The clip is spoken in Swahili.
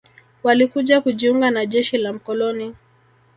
Walikuja kujiunga na jeshi la mkoloni